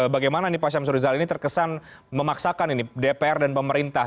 bagaimana nih pak syamsur rizal ini terkesan memaksakan ini dpr dan pemerintah